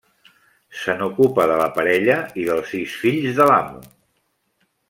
Se n'ocupa de la parella i dels sis fills de l'amo.